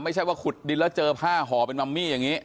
ไม่ใช่ว่าขุดดินแล้วเจอผ้าห่อเป็นมัมมี่อย่างนี้